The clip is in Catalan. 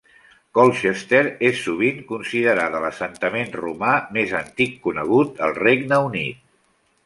Colchester és sovint considerada l'assentament romà més antic conegut al Regne Unit.